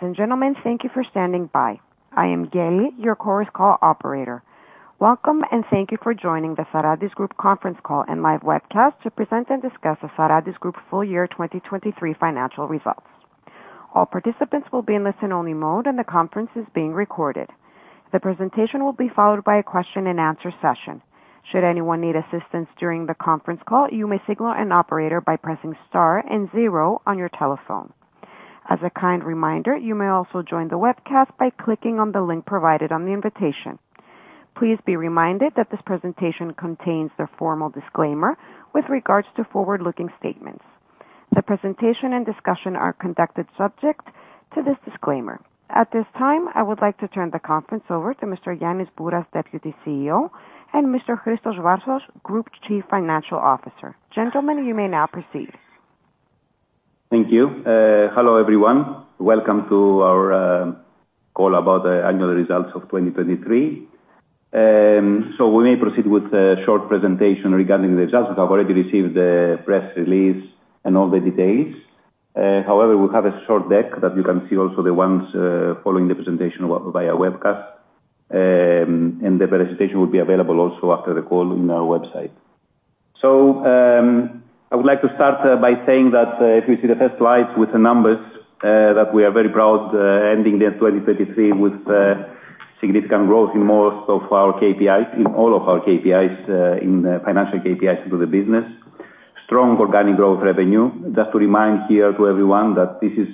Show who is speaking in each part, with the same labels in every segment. Speaker 1: Ladies and gentlemen, thank you for standing by. I am Gelly, your chorus call operator. Welcome, and thank you for joining the Sarantis Group conference call and live webcast to present and discuss the Sarantis Group full year 2023 financial results. All participants will be in listen-only mode, and the conference is being recorded. The presentation will be followed by a question-and-answer session. Should anyone need assistance during the conference call, you may signal an operator by pressing star and 0 on your telephone. As a kind reminder, you may also join the webcast by clicking on the link provided on the invitation. Please be reminded that this presentation contains the formal disclaimer with regards to forward-looking statements. The presentation and discussion are conducted subject to this disclaimer. At this time, I would like to turn the conference over to Mr. Ioannis Bouras, Deputy CEO, and Mr. Christos Varsos, Group Chief Financial Officer. Gentlemen, you may now proceed.
Speaker 2: Thank you. Hello, everyone. Welcome to our call about the annual results of 2023. So we may proceed with a short presentation regarding the results. We have already received the press release and all the details. However, we have a short deck that you can see also, the ones following the presentation via webcast. And the presentation will be available also after the call in our website. So, I would like to start by saying that if you see the first slides with the numbers, that we are very proud ending 2023 with significant growth in all of our KPIs, in the financial KPIs into the business. Strong organic growth revenue. Just to remind here to everyone that this is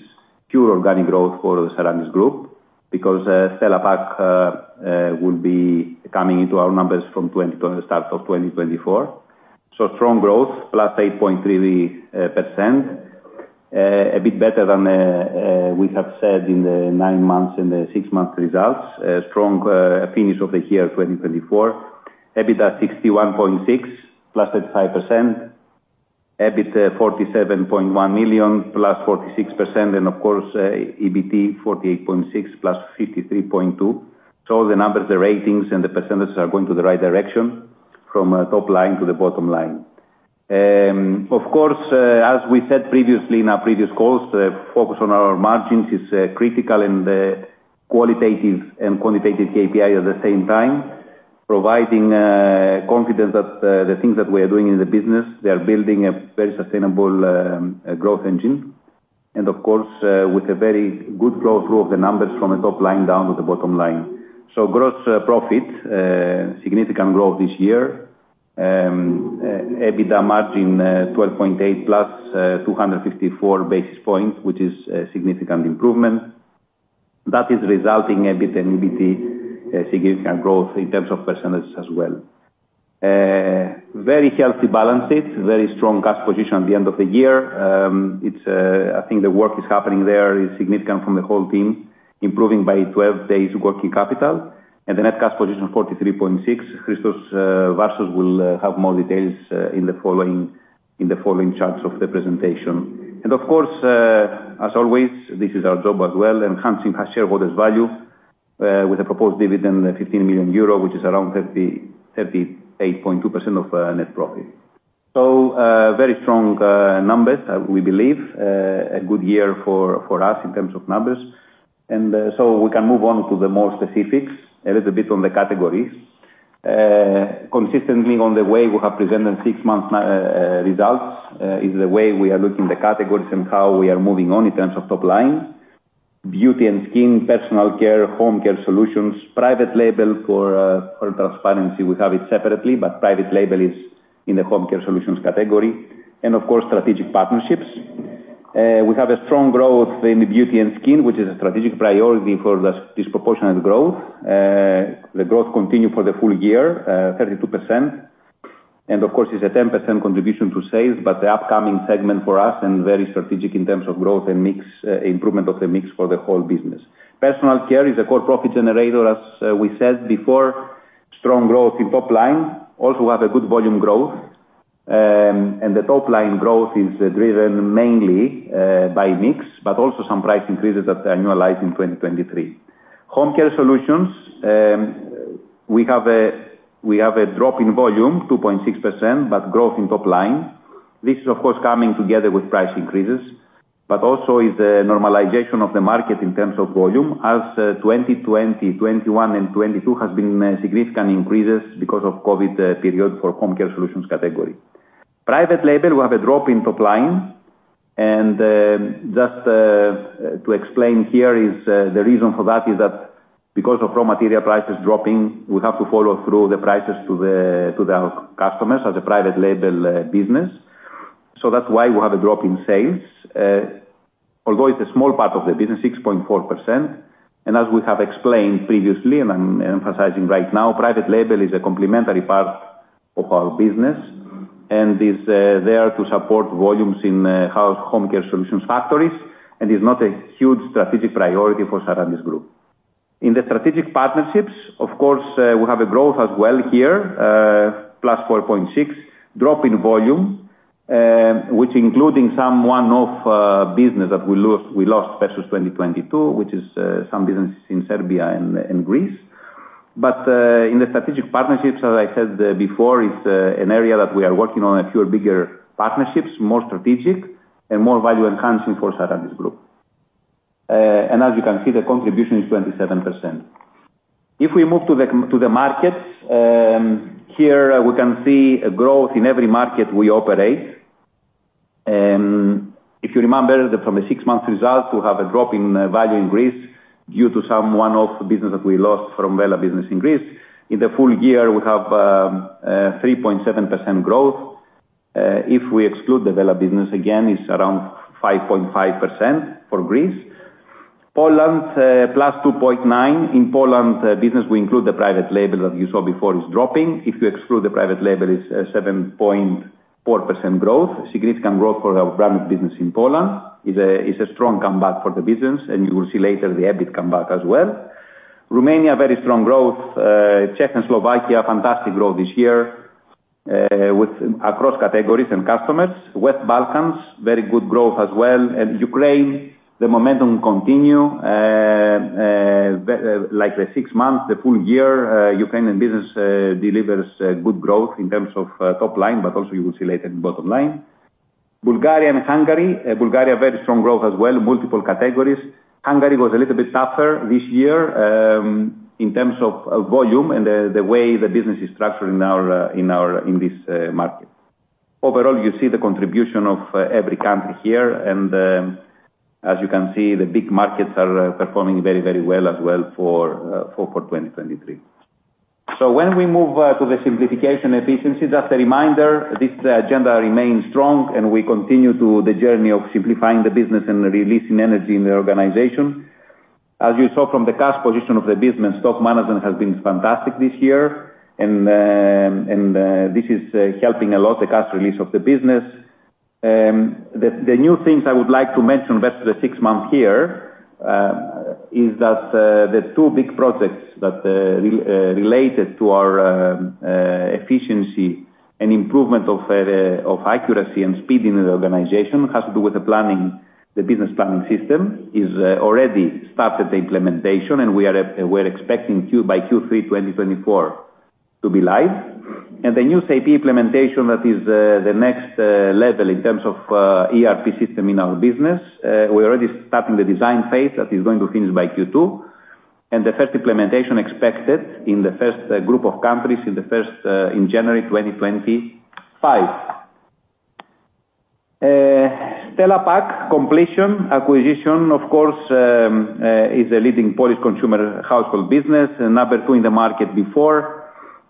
Speaker 2: pure organic growth for the Sarantis Group because Stella Pack will be coming into our numbers from 20 to the start of 2024. So strong growth +8.30%, a bit better than we have said in the nine months and the six-month results. Strong finish of the year 2024. EBITDA €61.6, +35%. EBIT €47.1 million, +46%. And of course, EBT €48.6, +53.2%. So all the numbers, the ratings, and the percentages are going to the right direction from top line to the bottom line. Of course, as we said previously in our previous calls, the focus on our margins is critical and qualitative and quantitative KPI at the same time, providing confidence that the things that we are doing in the business they are building a very sustainable growth engine. And of course, with a very good flow-through of the numbers from the top line down to the bottom line. So gross profit significant growth this year. EBITDA margin 12.8%, +254 basis points, which is a significant improvement. That is resulting EBIT and EBT, significant growth in terms of percentages as well. Very healthy balance sheet, very strong cash position at the end of the year. It's, I think the work is happening there is significant from the whole team, improving by 12 days working capital. And the net cash position 43.6 million. Christos Varsos will have more details in the following charts of the presentation. And of course, as always, this is our job as well, enhancing shareholders' value, with a proposed dividend of 15 million euro, which is around 38.2% of net profit. So, very strong numbers, we believe, a good year for us in terms of numbers. So we can move on to the more specifics, a little bit on the categories. Consistently on the way we have presented six-monthly results, is the way we are looking at the categories and how we are moving on in terms of top line. Beauty and skin, personal care, home care solutions, private label—for, for transparency, we have it separately, but private label is in the home care solutions category. And of course, strategic partnerships. We have a strong growth in beauty and skin, which is a strategic priority for us disproportionate growth. The growth continued for the full year, 32%. And of course, it's a 10% contribution to sales, but the up-and-coming segment for us and very strategic in terms of growth and mix, improvement of the mix for the whole business. Personal care is a core profit generator, as we said before. Strong growth in top line. Also, we have a good volume growth. The top line growth is driven mainly by mix, but also some price increases at the annual highs in 2023. Home Care Solutions, we have a drop in volume, 2.6%, but growth in top line. This is, of course, coming together with price increases, but also is a normalization of the market in terms of volume as 2020, 2021, and 2022 has been significant increases because of COVID period for Home Care Solutions category. Private Label, we have a drop in top line. Just to explain here is the reason for that is that because of raw material prices dropping, we have to follow through the prices to the our customers as a Private Label business. So that's why we have a drop in sales, although it's a small part of the business, 6.4%. As we have explained previously, and I'm emphasizing right now, private label is a complementary part of our business and is there to support volumes in-house home care solutions factories and is not a huge strategic priority for Sarantis Group. In the strategic partnerships, of course, we have a growth as well here, +4.6 drop in volume, which including some one-off business that we lost versus 2022, which is some businesses in Serbia and Greece. But in the strategic partnerships, as I said before, it's an area that we are working on, a few bigger partnerships, more strategic, and more value enhancing for Sarantis Group. And as you can see, the contribution is 27%. If we move to the, to the markets, here, we can see a growth in every market we operate. If you remember, from the six-month results, we have a drop in value in Greece due to some one-off business that we lost from Wella business in Greece. In the full year, we have 3.7% growth. If we exclude the Wella business, again, it's around 5.5% for Greece. Poland, +2.9%. In Poland business, we include the private label that you saw before is dropping. If you exclude the private label, it's 7.4% growth, significant growth for our branded business in Poland. It's a strong comeback for the business, and you will see later the EBIT comeback as well. Romania, very strong growth. Czech and Slovakia, fantastic growth this year, with across categories and customers. West Balkans, very good growth as well. And Ukraine, the momentum continue. We've, like, the six months, the full year, Ukrainian business delivers good growth in terms of top line, but also you will see later in bottom line. Bulgaria and Hungary, Bulgaria very strong growth as well, multiple categories. Hungary was a little bit tougher this year, in terms of volume and the way the business is structured in our market. Overall, you see the contribution of every country here. And as you can see, the big markets are performing very, very well as well for 2023. So when we move to the simplification efficiency, just a reminder, this agenda remains strong, and we continue to the journey of simplifying the business and releasing energy in the organization. As you saw from the cash position of the business, stock management has been fantastic this year. This is helping a lot the cash release of the business. The new things I would like to mention versus the six-month here is that the two big projects that are related to our efficiency and improvement of the accuracy and speed in the organization has to do with the planning, the business planning system. It's already started the implementation, and we're expecting by Q3 2024 to be live. The new SAP implementation that is the next level in terms of ERP system in our business, we're already starting the design phase that is going to finish by Q2. The first implementation expected in the first group of countries in January 2025. Stella Pack completion acquisition, of course, is a leading Polish consumer household business, number two in the market before.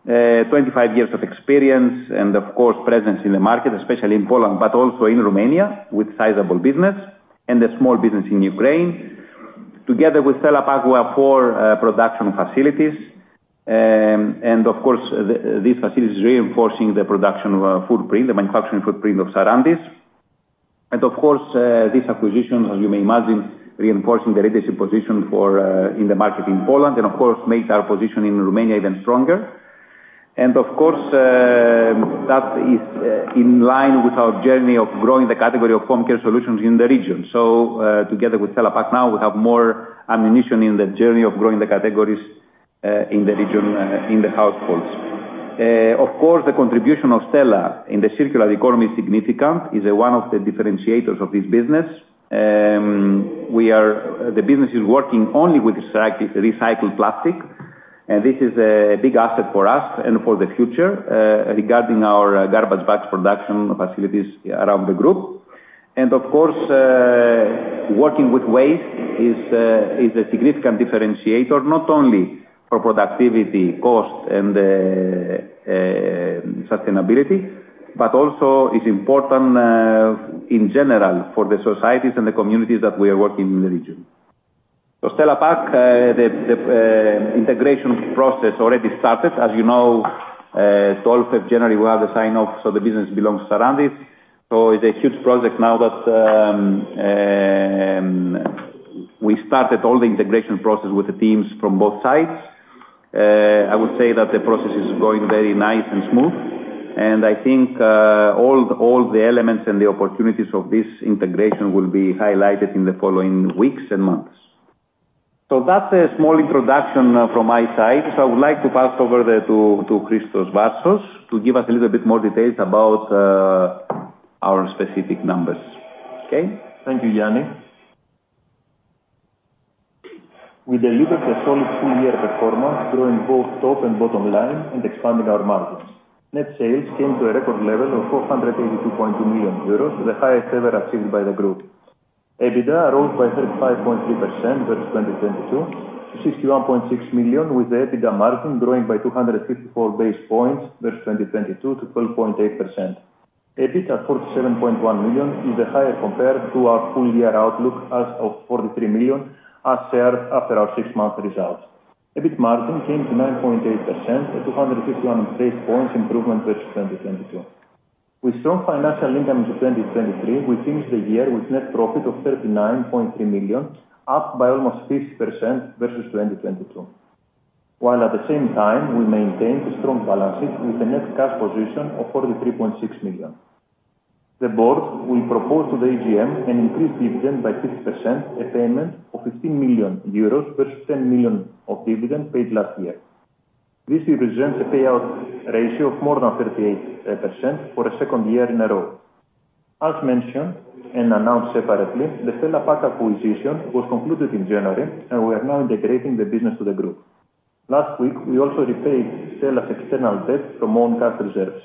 Speaker 2: 25 years of experience and, of course, presence in the market, especially in Poland, but also in Romania with sizable business and a small business in Ukraine. Together with Stella Pack, we have four production facilities. Of course, these facilities reinforcing the production footprint, the manufacturing footprint of Sarantis. Of course, this acquisition, as you may imagine, reinforcing the leadership position for in the market in Poland and, of course, made our position in Romania even stronger. Of course, that is in line with our journey of growing the category of home care solutions in the region. So, together with Stella Pack now, we have more ammunition in the journey of growing the categories in the region, in the households. Of course, the contribution of Stella in the circular economy is significant, is one of the differentiators of this business. The business is working only with recycled plastic, and this is a big asset for us and for the future regarding our garbage bags production facilities around the group. Of course, working with waste is a significant differentiator not only for productivity, cost, and sustainability, but also is important in general for the societies and the communities that we are working in the region. So Stella Pack, the integration process already started. As you know, 12th of January, we have the sign-off, so the business belongs to Sarantis. So it's a huge project now that we started all the integration process with the teams from both sides. I would say that the process is going very nice and smooth. I think all the elements and the opportunities of this integration will be highlighted in the following weeks and months. That's a small introduction from my side. I would like to pass over to Christos Varsos to give us a little bit more details about our specific numbers. Okay?
Speaker 3: Thank you, Giannis. We delivered a solid full-year performance, growing both top and bottom line and expanding our margins. Net sales came to a record level of 482.2 million euros, the highest ever achieved by the group. EBITDA rose by 35.3% versus 2022 to 61.6 million, with the EBITDA margin growing by 254 basis points versus 2022 to 12.8%. EBIT at 47.1 million is higher compared to our full-year outlook as of 43 million as shared after our six-month results. EBIT margin came to 9.8%, a 251 basis points improvement versus 2022. With strong financial income into 2023, we finished the year with net profit of 39.3 million, up by almost 50% versus 2022, while at the same time, we maintained a strong balance sheet with a net cash position of 43.6 million. The board will propose to the AGM an increased dividend by 50%, a payment of 15 million euros versus 10 million of dividend paid last year. This represents a payout ratio of more than 38% for a second year in a row. As mentioned and announced separately, the Stella Pack acquisition was concluded in January, and we are now integrating the business to the group. Last week, we also repaid Stella's external debt from own cash reserves.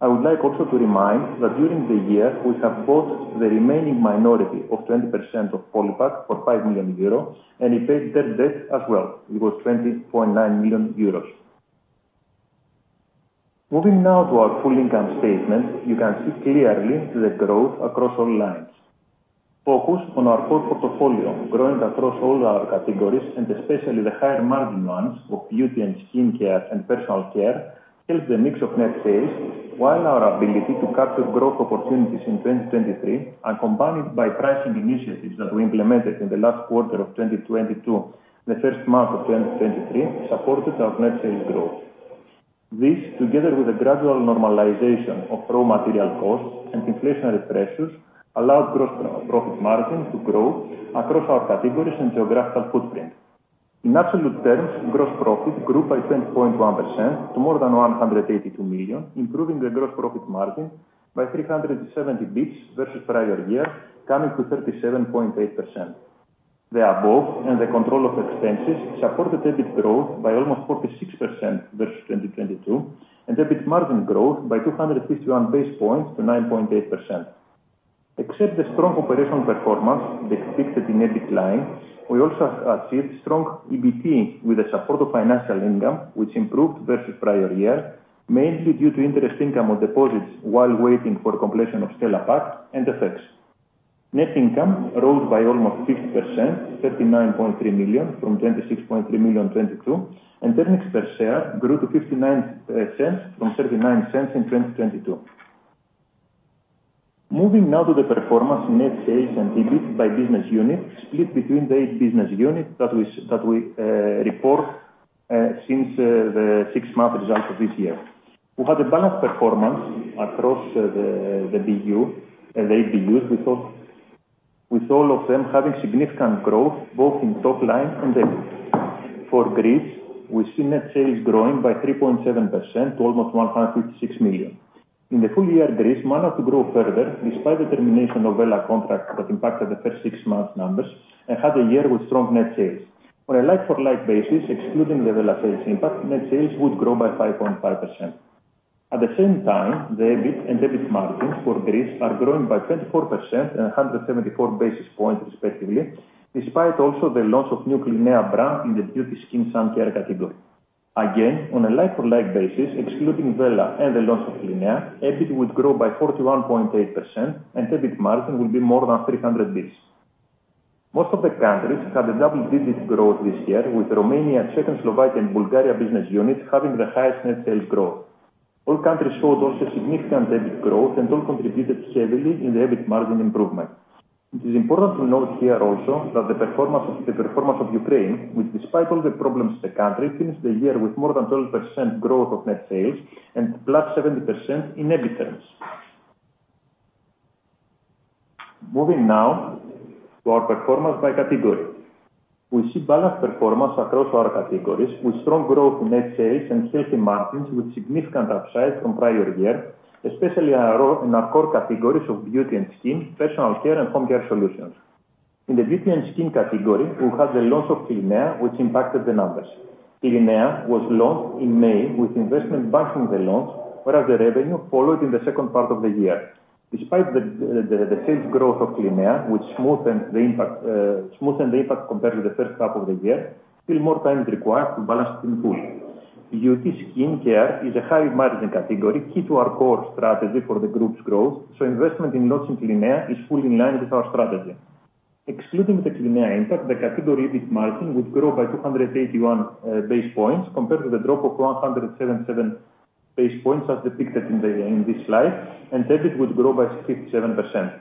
Speaker 3: I would like also to remind that during the year, we have bought the remaining minority of 20% of Polipak for 5 million euro and repaid their debt as well. It was 20.9 million euros. Moving now to our full income statement, you can see clearly the growth across all lines. Focus on our core portfolio, growing across all our categories and especially the higher margin ones of beauty and skin care and personal care, helps the mix of net sales, while our ability to capture growth opportunities in 2023, and combined by pricing initiatives that we implemented in the last quarter of 2022, the first month of 2023, supported our net sales growth. This, together with the gradual normalization of raw material costs and inflationary pressures, allowed gross profit margin to grow across our categories and geographical footprint. In absolute terms, gross profit grew by 20.1% to more than 182 million, improving the gross profit margin by 370 basis points versus prior year, coming to 37.8%. The above and the control of expenses supported EBIT growth by almost 46% versus 2022 and EBIT margin growth by 251 basis points to 9.8%. to the strong operational performance expected in the EBIT line, we also achieved strong EBT with the support of financial income, which improved versus prior year, mainly due to interest income on deposits while waiting for completion of Stella Pack and effects. Net income rose by almost 50%, 39.3 million from 26.3 million in 2022, and earnings per share grew to 0.59 from 0.39 in 2022. Moving now to the performance in net sales and EBIT by business unit, split between the eight business units that we report since the six-month results of this year. We had a balanced performance across the BU and the ABUs with all of them having significant growth both in top line and EBIT. For Greece, we see net sales growing by 3.7% to almost 156 million. In the full year, Greece managed to grow further despite the termination of Wella contract that impacted the first six months' numbers and had a year with strong net sales. On a like-for-like basis, excluding the Wella sales impact, net sales would grow by 5.5%. At the same time, the EBIT and EBIT margins for Greece are growing by 24% and 174 basis points respectively, despite also the launch of new Clinéa brand in the beauty, skin, sun care category. Again, on a like-for-like basis, excluding Wella and the launch of Clinéa, EBIT would grow by 41.8%, and EBIT margin would be more than 300 basis points. Most of the countries had a double-digit growth this year, with Romania, Czech and Slovakia and Bulgaria business units having the highest net sales growth. All countries showed also significant EBIT growth, and all contributed heavily in the EBIT margin improvement. It is important to note here also that the performance of Ukraine, which despite all the problems in the country, finished the year with more than 12% growth of net sales and +70% in EBIT terms. Moving now to our performance by category. We see balanced performance across our categories with strong growth in net sales and healthy margins with significant upside from prior year, especially in our core categories of beauty and skin, personal care, and home care solutions. In the beauty and skin category, we had the launch of Clinéa, which impacted the numbers. Clinéa was launched in May with investment behind the launch, whereas the revenue followed in the second part of the year. Despite the sales growth of clinéa, which smoothened the impact compared to the first half of the year, still more time is required to balance it in full. Beauty, skin, care is a high-margin category, key to our core strategy for the group's growth, so investment in launching clinéa is fully in line with our strategy. Excluding the clinéa impact, the category EBIT margin would grow by 281 basis points compared to the drop of 177 basis points as depicted in this slide, and EBIT would grow by 57%.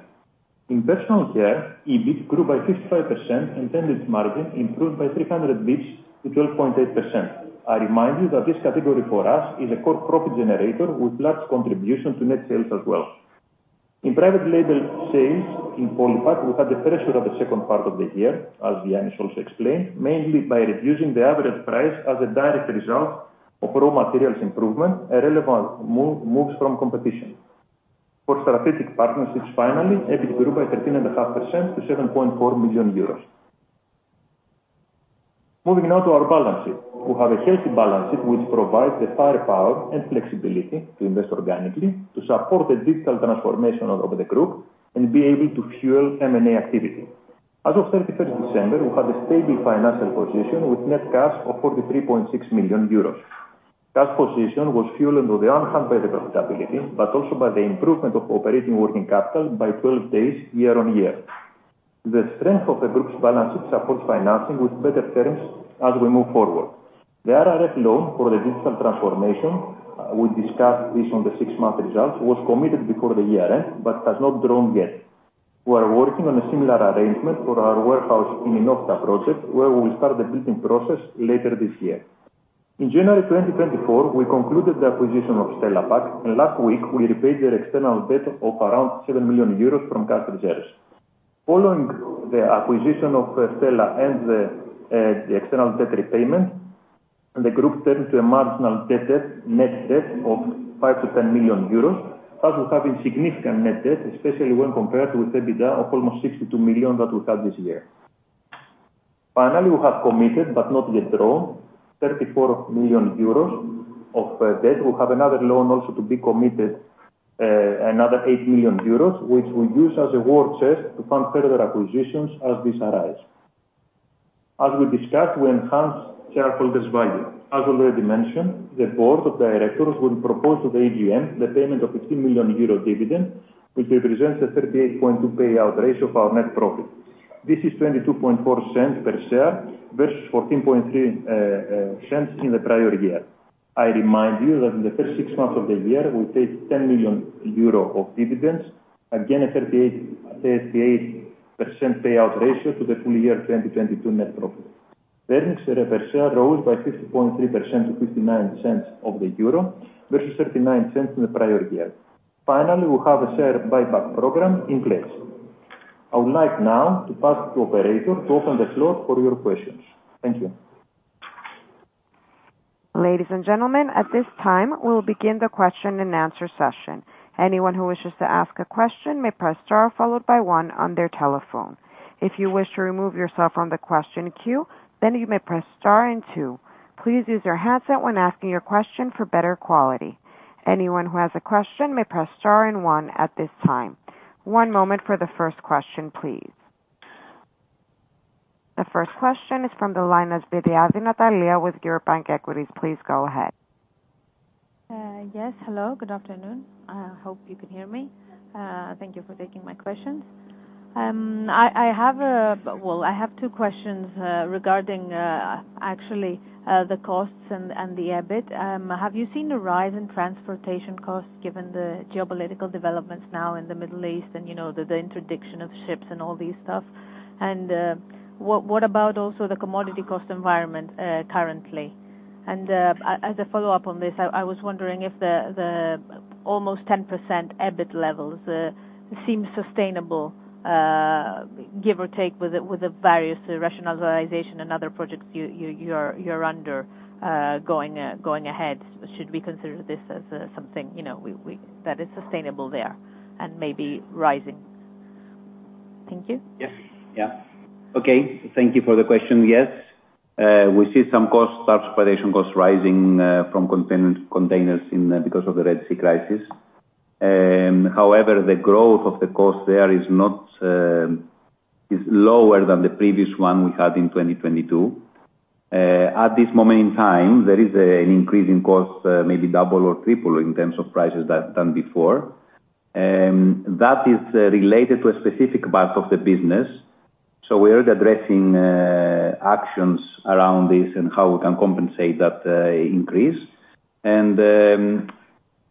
Speaker 3: In personal care, EBIT grew by 55%, and earnings margin improved by 300 basis points to 12.8%. I remind you that this category for us is a core profit generator with large contribution to net sales as well. In private label sales in Polipak, we had the pressure of the second part of the year, as Giannis also explained, mainly by reducing the average price as a direct result of raw materials improvement, more moves from competition. For strategic partnerships, finally, EBIT grew by 13.5% to EUR 7.4 million. Moving now to our balance sheet. We have a healthy balance sheet which provides the firepower and flexibility to invest organically, to support the digital transformation of the group, and be able to fuel M&A activity. As of 31st December, we had a stable financial position with net cash of 43.6 million euros. Cash position was fueled on the one hand by the profitability, but also by the improvement of operating working capital by 12 days year-over-year. The strength of the group's balance sheet supports financing with better terms as we move forward. The RRF loan for the digital transformation, we discussed this on the six-month results, was committed before the year-end but has not drawn yet. We are working on a similar arrangement for our warehouse in Oinofyta project, where we will start the building process later this year. In January 2024, we concluded the acquisition of Stella Pack, and last week, we repaid their external debt of around 7 million euros from cash reserves. Following the acquisition of Stella and the external debt repayment, the group turned to a marginal net debt of 5-10 million euros, thus we have significant net debt, especially when compared with EBITDA of almost 62 million that we had this year. Finally, we have committed but not yet drawn 34 million euros of debt. We have another loan also to be committed, another 8 million euros, which we use as a war chest to fund further acquisitions as these arise. As we discussed, we enhanced shareholders' value. As already mentioned, the board of directors will propose to the AGM the payment of 15 million euro dividend, which represents a 38.2 payout ratio of our net profit. This is 0.224 per share versus 14.3 cents in the prior year. I remind you that in the first six months of the year, we paid 10 million euro of dividends, again a 38% payout ratio to the full year 2022 net profit. Earnings per share rose by 50.3% to 0.59 versus 0.39 in the prior year. Finally, we have a share buyback program in place. I would like now to pass to the operator to open the floor for your questions. Thank you.
Speaker 1: Ladies and gentlemen, at this time, we will begin the question-and-answer session. Anyone who wishes to ask a question may press star followed by one on their telephone. If you wish to remove yourself from the question queue, then you may press star and two. Please use your handset when asking your question for better quality. Anyone who has a question may press star and one at this time. One moment for the first question, please. The first question is from the line of Svyriadi Natalia with Eurobank Equities. Please go ahead.
Speaker 4: Yes. Hello. Good afternoon. I hope you can hear me. Thank you for taking my questions. I have, well, I have two questions regarding actually the costs and the EBIT. Have you seen a rise in transportation costs given the geopolitical developments now in the Middle East and, you know, the interdiction of ships and all these stuff? And what about also the commodity cost environment currently? And as a follow-up on this, I was wondering if the almost 10% EBIT levels seem sustainable, give or take with the various rationalization and other projects you are undergoing ahead. Should we consider this as something, you know, that is sustainable there and maybe rising? Thank you.
Speaker 2: Yes. Yeah. Okay. Thank you for the question. Yes. We see some costs, transportation costs rising, from containers in, because of the Red Sea crisis. However, the growth of the cost there is not, is lower than the previous one we had in 2022. At this moment in time, there is an increasing cost, maybe double or triple in terms of prices than before. That is related to a specific part of the business. So we're already addressing actions around this and how we can compensate that increase. And,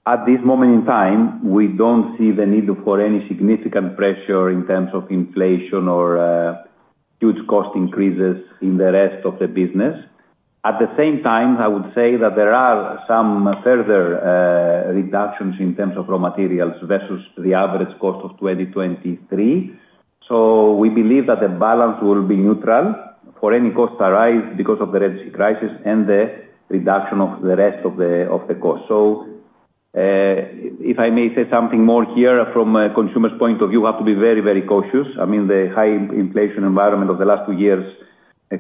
Speaker 2: at this moment in time, we don't see the need for any significant pressure in terms of inflation or huge cost increases in the rest of the business. At the same time, I would say that there are some further reductions in terms of raw materials versus the average cost of 2023. So we believe that the balance will be neutral for any costs that rise because of the Red Sea crisis and the reduction of the rest of the costs. So, if I may say something more here from a consumer's point of view, we have to be very, very cautious. I mean, the high inflation environment of the last two years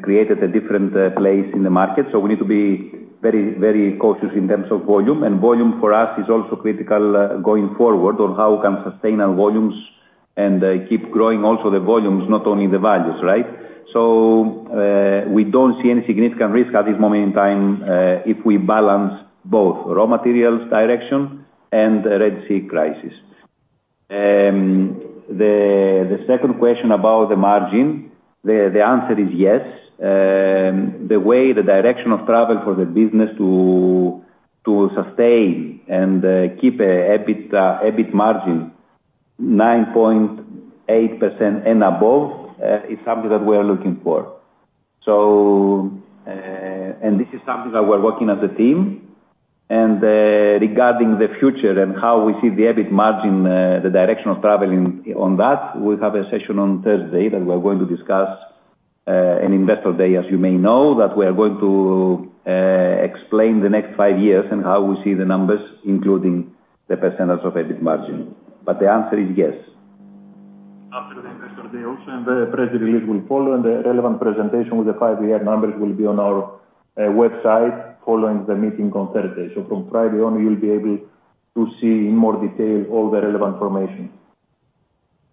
Speaker 2: created a different place in the market. So we need to be very, very cautious in terms of volume. And volume for us is also critical, going forward on how we can sustain our volumes and keep growing also the volumes, not only the values, right? So, we don't see any significant risk at this moment in time, if we balance both raw materials direction and the Red Sea crisis. The second question about the margin, the answer is yes. The way the direction of travel for the business to sustain and keep an EBIT margin 9.8% and above is something that we are looking for. So this is something that we're working as a team. Regarding the future and how we see the EBIT margin, the direction of traveling on that, we have a session on Thursday that we're going to discuss, an investor day, as you may know, that we are going to explain the next five years and how we see the numbers, including the percentage of EBIT margin. But the answer is yes.
Speaker 3: After the Investor Day also, and the press release will follow, and the relevant presentation with the five-year numbers will be on our website following the meeting on Thursday. So from Friday on, you'll be able to see in more detail all the relevant information.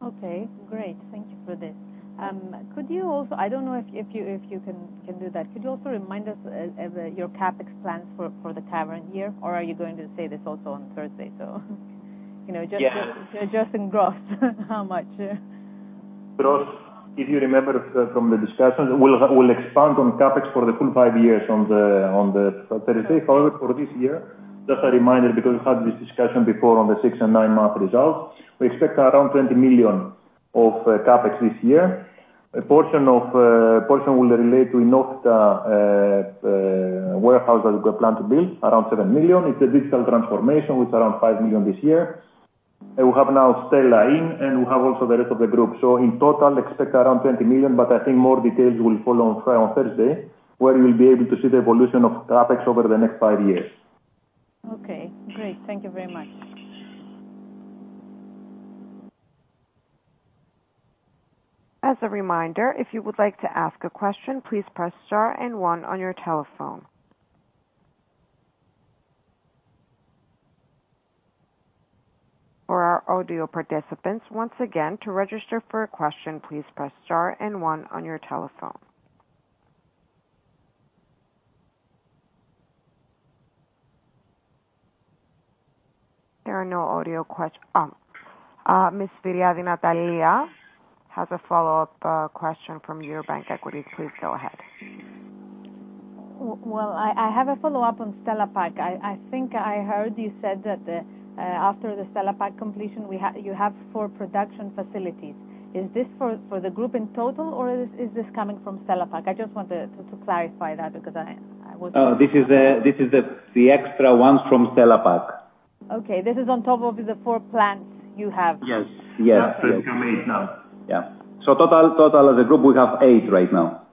Speaker 4: Okay. Great. Thank you for this. Could you also, I don't know if you can, do that. Could you also remind us of your CapEx plans for the current year? Or are you going to say this also on Thursday, so you know, just adjusting gross how much?
Speaker 3: Gross, if you remember, from the discussions, we'll expand on CapEx for the full five years on Thursday. However, for this year, just a reminder because we had this discussion before on the six- and nine-month results, we expect around 20 million of CapEx this year. A portion will relate to Oinofyta warehouse that we plan to build, around 7 million. It's a digital transformation, which is around 5 million this year. And we have now Stella, and we have also the rest of the group. So in total, expect around 20 million, but I think more details will follow on Thursday, where you'll be able to see the evolution of CapEx over the next five years.
Speaker 4: Okay. Great. Thank you very much.
Speaker 1: As a reminder, if you would like to ask a question, please press star and one on your telephone. For our audio participants, once again, to register for a question, please press star and one on your telephone. There are no audio questions. Ms. Svyriadi Natalia has a follow-up question from Eurobank Equities. Please go ahead.
Speaker 4: Well, I have a follow-up on Stella Pack. I think I heard you said that after the Stella Pack completion, you have four production facilities. Is this for the group in total, or is this coming from Stella Pack? I just wanted to clarify that because I wasn't.
Speaker 2: Oh, this is the extra ones from Stella Pack.
Speaker 4: Okay. This is on top of the four plants you have?
Speaker 2: Yes. Yes.
Speaker 3: That's just coming in now.
Speaker 2: Yeah. So total, total as a group, we have eight right now.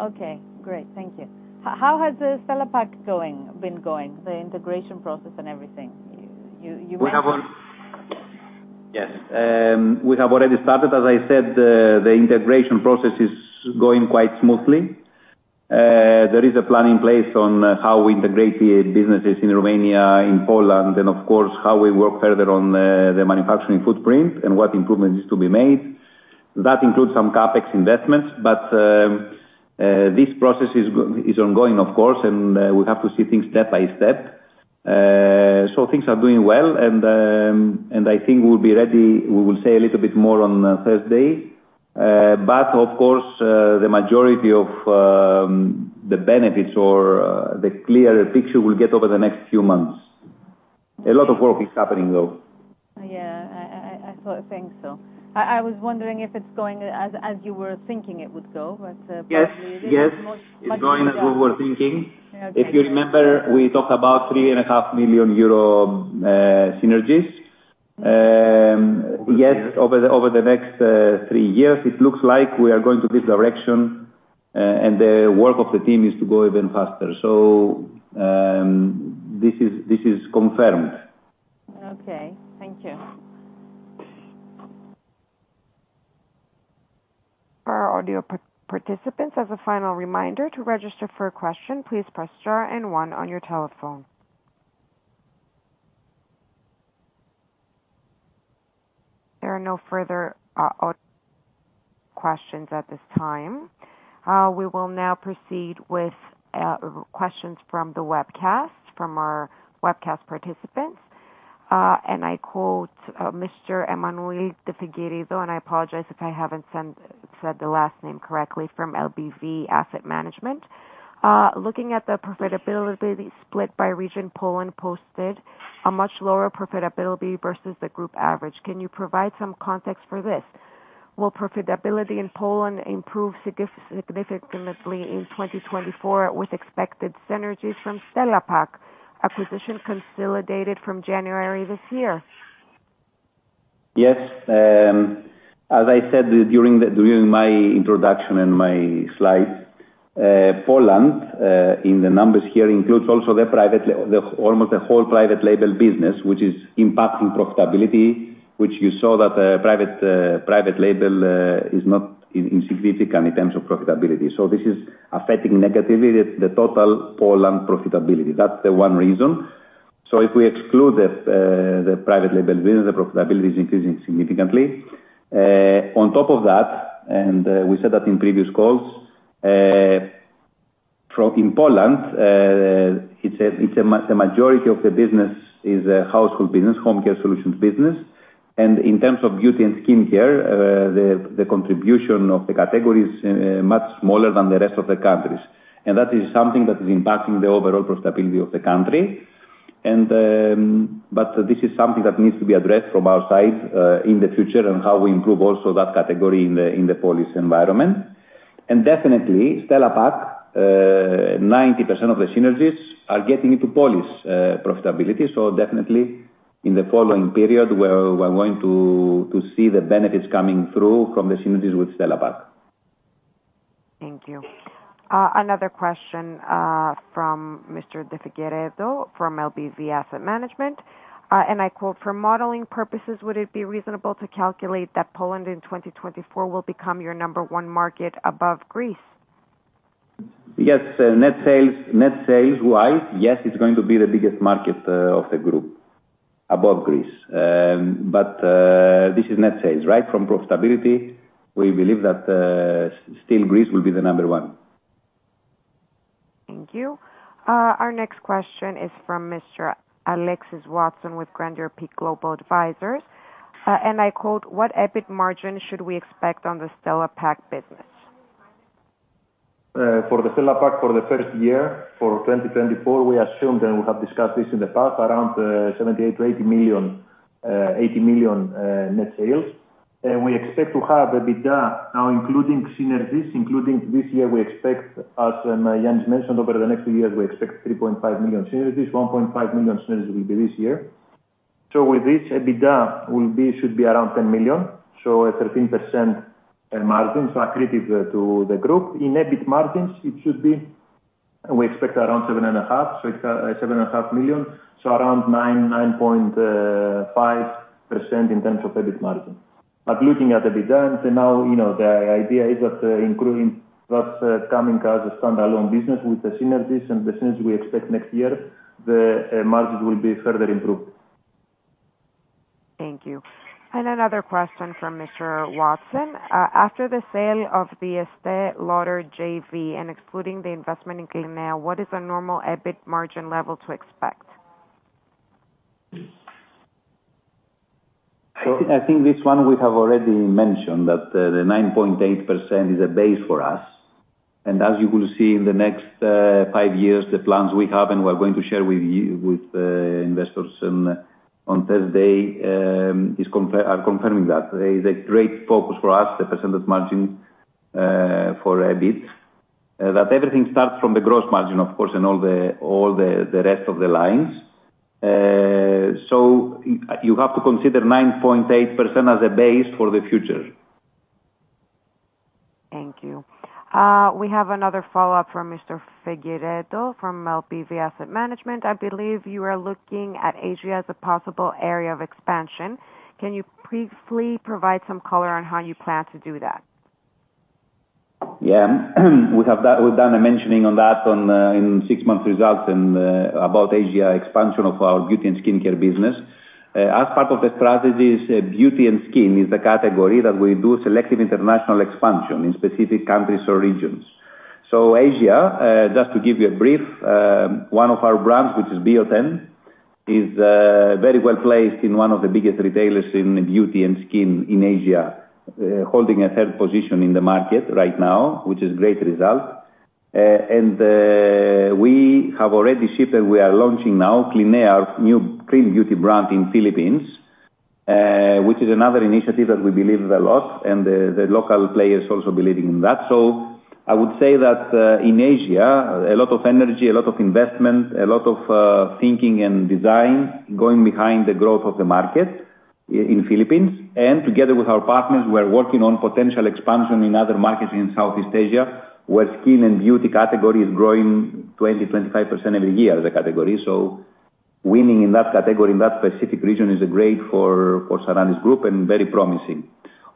Speaker 4: Okay. Great. Thank you. How has the Stella Pack going been going, the integration process and everything? You mentioned.
Speaker 2: We have already, yes, we have already started. As I said, the integration process is going quite smoothly. There is a plan in place on how we integrate the businesses in Romania, in Poland, and, of course, how we work further on the manufacturing footprint and what improvements need to be made. That includes some CapEx investments. But this process is ongoing, of course, and we have to see things step by step. So things are doing well, and I think we'll be ready. We will say a little bit more on Thursday. But of course, the majority of the benefits or the clearer picture we'll get over the next few months. A lot of work is happening, though.
Speaker 4: Yeah. I thought so. I was wondering if it's going as you were thinking it would go, but probably it is much, much easier.
Speaker 2: Yes. Yes. It's going as we were thinking.
Speaker 4: Yeah. Okay.
Speaker 2: If you remember, we talked about 3.5 million euro synergies. Yes, over the next three years, it looks like we are going to this direction, and the work of the team is to go even faster. So, this is confirmed.
Speaker 4: Okay. Thank you.
Speaker 1: For our audio participants, as a final reminder, to register for a question, please press star and one on your telephone. There are no further audio questions at this time. We will now proceed with our questions from the webcast from our webcast participants. And I quote, Mr. Emmanuel de Figueiredo, and I apologize if I haven't said the last name correctly, from LBV Asset Management. Looking at the profitability split by region, Poland posted a much lower profitability versus the group average. Can you provide some context for this? Will profitability in Poland improve significantly in 2024 with expected synergies from Stella Pack acquisition consolidated from January this year?
Speaker 2: Yes. As I said, during my introduction and my slides, Poland, in the numbers here includes also the private label, the almost the whole private label business, which is impacting profitability, which you saw that, private label, is not insignificant in terms of profitability. So this is affecting negatively the, the total Poland profitability. That's the one reason. So if we exclude the, the private label business, the profitability is increasing significantly. On top of that, and, we said that in previous calls, in Poland, it's the majority of the business is a household business, home care solutions business. And in terms of beauty and skincare, the, the contribution of the category is, much smaller than the rest of the countries. And that is something that is impacting the overall profitability of the country. This is something that needs to be addressed from our side, in the future and how we improve also that category in the Polish environment. And definitely, Stella Pack, 90% of the synergies are getting into Polish profitability. So definitely, in the following period, we're going to see the benefits coming through from the synergies with Stella Pack.
Speaker 1: Thank you. Another question, from Mr. de Figueiredo from LBV Asset Management. And I quote, "For modeling purposes, would it be reasonable to calculate that Poland in 2024 will become your number one market above Greece?
Speaker 2: Yes. Net sales net sales-wise, yes, it's going to be the biggest market of the group, above Greece. But this is net sales, right? From profitability, we believe that still Greece will be the number one.
Speaker 1: Thank you. Our next question is from Mr. Alexis Watson with Grandeur Peak Global Advisors. And I quote, "What EBIT margin should we expect on the Stella Pack business?
Speaker 3: For the Stella Pack, for the first year for 2024, we assumed and we have discussed this in the past, around 78 million-80 million, 80 million net sales. And we expect to have EBITDA now including synergies. Including this year, we expect as Ioannis mentioned, over the next two years, we expect 3.5 million synergies. 1.5 million synergies will be this year. So with this, EBITDA will be should be around 10 million. So a 13% margin, so accretive to the group. In EBIT margins, it should be we expect around 7.5. So it is 7.5 million. So around 9.5% in terms of EBIT margin. But looking at EBITDA and so now, you know, the idea is that it accrues that's coming as a standalone business with the synergies and the synergies we expect next year, the margins will be further improved.
Speaker 1: Thank you. Another question from Mr. Watson. After the sale of the Estée Lauder JV and excluding the investment in clinéa, what is a normal EBIT margin level to expect?
Speaker 2: So I think this one we have already mentioned, that the 9.8% is a base for us. And as you will see in the next five years, the plans we have and we're going to share with you, investors, on Thursday, is confirming that. There is a great focus for us, the percentage margin for EBIT, that everything starts from the gross margin, of course, and all the rest of the lines. So you have to consider 9.8% as a base for the future.
Speaker 1: Thank you. We have another follow-up from Mr. Figueiredo from LBV Asset Management. I believe you are looking at Asia as a possible area of expansion. Can you briefly provide some color on how you plan to do that?
Speaker 2: Yeah. Mm-hmm. We have that we've done a mentioning on that on, in six-month results and, about Asia expansion of our beauty and skincare business. As part of the strategies, beauty and skin is the category that we do selective international expansion in specific countries or regions. So Asia, just to give you a brief, one of our brands, which is Bioten, is very well placed in one of the biggest retailers in beauty and skin in Asia, holding a third position in the market right now, which is a great result. And we have already shipped and we are launching now clinéa, our new clean beauty brand in Philippines, which is another initiative that we believe a lot, and the local players also believing in that. So I would say that, in Asia, a lot of energy, a lot of investment, a lot of thinking and design going behind the growth of the market in Philippines. And together with our partners, we're working on potential expansion in other markets in Southeast Asia, where skin and beauty category is growing 20%-25% every year as a category. So winning in that category in that specific region is great for Sarantis Group and very promising.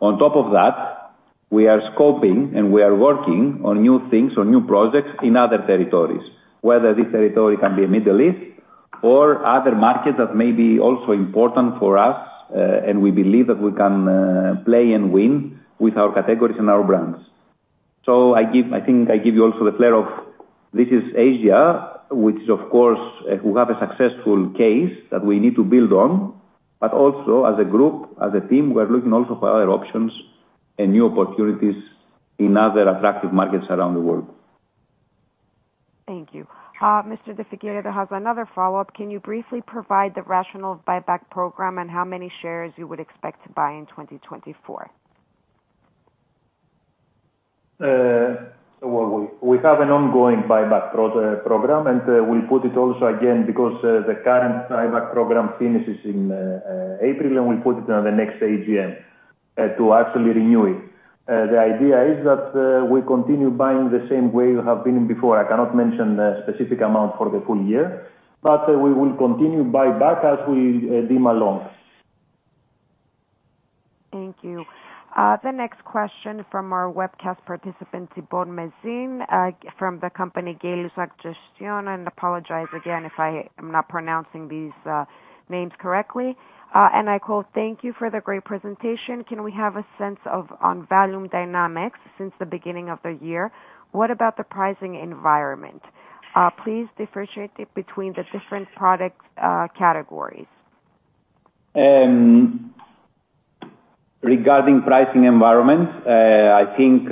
Speaker 2: On top of that, we are scoping and we are working on new things or new projects in other territories, whether this territory can be Middle East or other markets that may be also important for us, and we believe that we can play and win with our categories and our brands. So, I think I give you also the flavor of this is Asia, which is, of course, we have a successful case that we need to build on. But also, as a group, as a team, we're looking also for other options and new opportunities in other attractive markets around the world.
Speaker 1: Thank you. Mr. de Figueiredo has another follow-up. Can you briefly provide the rationale for the buyback program and how many shares you would expect to buy in 2024?
Speaker 3: Well, we, we have an ongoing buyback program, and we'll put it also again because the current buyback program finishes in April, and we'll put it in the next AGM to actually renew it. The idea is that we continue buying the same way we have been before. I cannot mention specific amount for the full year, but we will continue buyback as we deem along.
Speaker 1: Thank you. The next question from our webcast participant, Thibaut Maissin, from the company Gay-Lussac Gestion. And apologize again if I am not pronouncing these names correctly. And I quote, "Thank you for the great presentation. Can we have a sense of on-volume dynamics since the beginning of the year? What about the pricing environment? Please differentiate it between the different product categories.
Speaker 2: Regarding pricing environment, I think,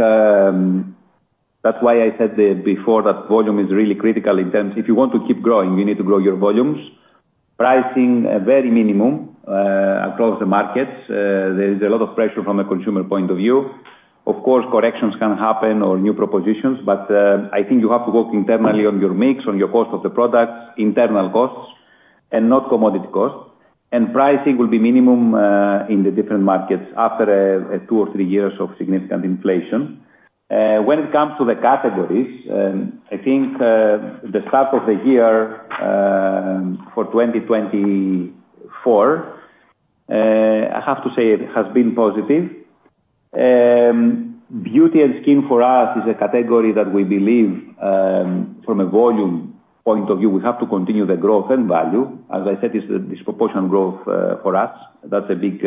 Speaker 2: that's why I said that before that volume is really critical in terms of if you want to keep growing, you need to grow your volumes. Pricing, very minimum, across the markets. There is a lot of pressure from a consumer point of view. Of course, corrections can happen or new propositions, but, I think you have to work internally on your mix, on your cost of the products, internal costs, and not commodity costs. And pricing will be minimum, in the different markets after, two or three years of significant inflation. When it comes to the categories, I think, the start of the year, for 2024, I have to say it has been positive. Beauty and skin for us is a category that we believe, from a volume point of view, we have to continue the growth and value. As I said, it's the disproportionate growth for us. That's a big,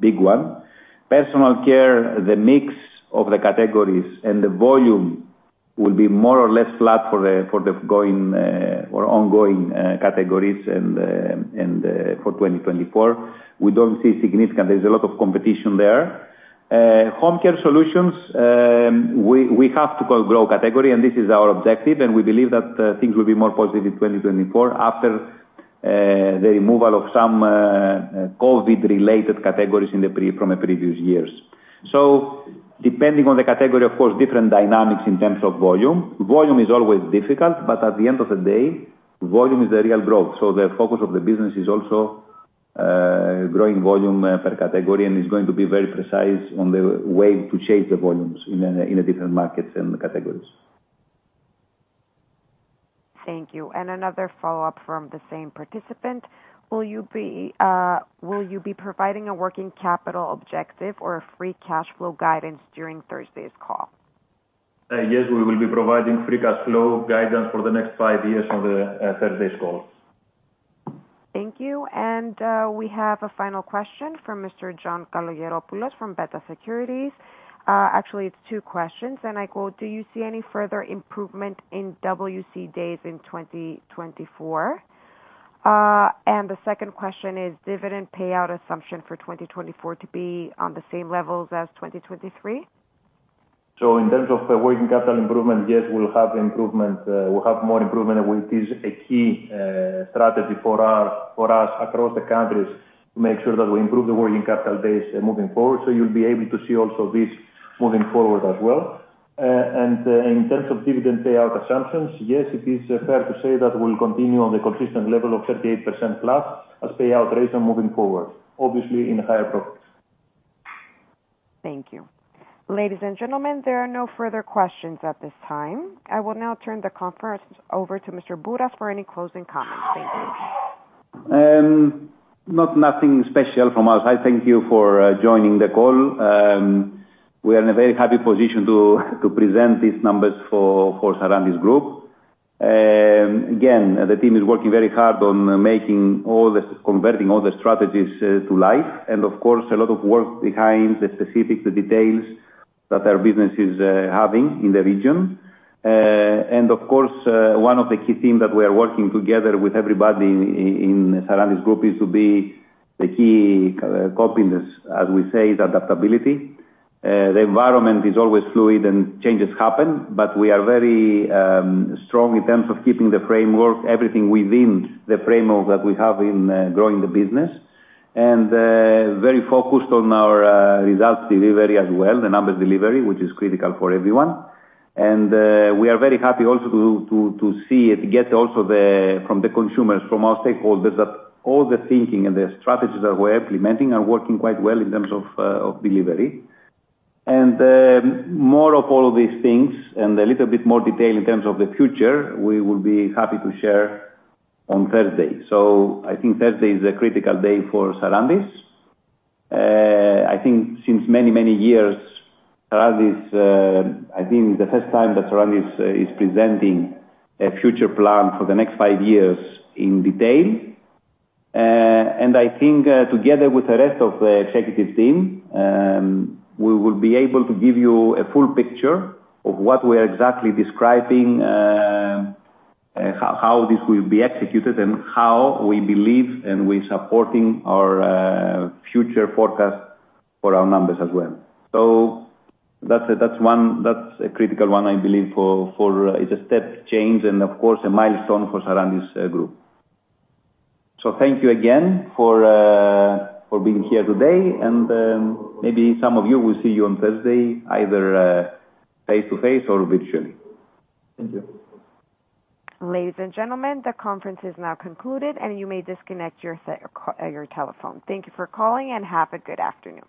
Speaker 2: big one. Personal Care, the mix of the categories and the volume will be more or less flat for the ongoing categories and for 2024. We don't see significant; there's a lot of competition there. Home Care Solutions, we have to grow category, and this is our objective. And we believe that things will be more positive in 2024 after the removal of some COVID-related categories from the previous years. So depending on the category, of course, different dynamics in terms of volume. Volume is always difficult, but at the end of the day, volume is the real growth. The focus of the business is also growing volume per category and is going to be very precise on the way to change the volumes in different markets and categories.
Speaker 1: Thank you. Another follow-up from the same participant. "Will you be providing a working capital objective or a free cash flow guidance during Thursday's call?
Speaker 3: Yes, we will be providing free cash flow guidance for the next five years on the Thursday's call.
Speaker 1: Thank you. And we have a final question from Mr. John Kalogeropoulos from Beta Securities. Actually, it's two questions. And I quote, "Do you see any further improvement in WC days in 2024?" and the second question is, "Dividend payout assumption for 2024 to be on the same levels as 2023?
Speaker 3: So in terms of working capital improvement, yes, we'll have improvement, we'll have more improvement, and it is a key strategy for us across the countries to make sure that we improve the working capital days, moving forward. So you'll be able to see also this moving forward as well. In terms of dividend payout assumptions, yes, it is fair to say that we'll continue on the consistent level of 38%+ as payout rates on moving forward, obviously in higher profits.
Speaker 1: Thank you. Ladies and gentlemen, there are no further questions at this time. I will now turn the conference over to Mr. Bouras for any closing comments. Thank you.
Speaker 2: Nothing special from us. I thank you for joining the call. We are in a very happy position to present these numbers for Sarantis Group. Again, the team is working very hard on making all the strategies come to life. And of course, a lot of work behind the specifics, the details that our business is facing in the region. And of course, one of the key themes that we are working together with everybody in Sarantis Group is to be the key cog in this, as we say, is adaptability. The environment is always fluid, and changes happen. But we are very strong in terms of keeping the framework, everything within the framework that we have in growing the business and very focused on our results delivery as well, the numbers delivery, which is critical for everyone. We are very happy also to see it get also the from the consumers, from our stakeholders, that all the thinking and the strategies that we're implementing are working quite well in terms of delivery. More of all of these things and a little bit more detail in terms of the future, we will be happy to share on Thursday. So I think Thursday is a critical day for Sarantis. I think since many, many years, Sarantis, I think it's the first time that Sarantis is presenting a future plan for the next five years in detail. And I think, together with the rest of the executive team, we will be able to give you a full picture of what we are exactly describing, how this will be executed and how we believe and we're supporting our future forecast for our numbers as well. So that's one that's a critical one, I believe, for it's a step change and, of course, a milestone for Sarantis Group. So thank you again for being here today. Maybe some of you will see you on Thursday, either face-to-face or virtually.
Speaker 3: Thank you.
Speaker 1: Ladies and gentlemen, the conference is now concluded, and you may disconnect your telephone. Thank you for calling, and have a good afternoon.